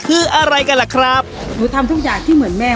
คืออะไรกันล่ะครับหนูทำทุกอย่างที่เหมือนแม่